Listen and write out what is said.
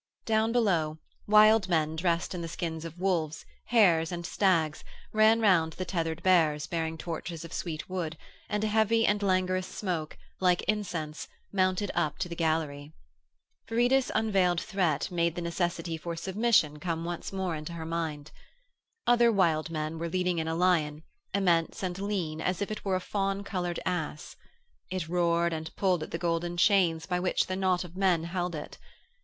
Down below, wild men dressed in the skins of wolves, hares and stags ran round the tethered bears bearing torches of sweet wood, and a heavy and languorous smoke, like incense, mounted up to the gallery. Viridus' unveiled threat made the necessity for submission come once more into her mind. Other wild men were leading in a lion, immense and lean as if it were a fawn coloured ass. It roared and pulled at the golden chains by which the knot of men held it.